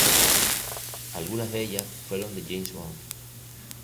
Algunas de ellas fueron de James Bond.